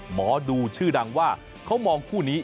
หมอดูชื่อดังว่าเขามองคู่นี้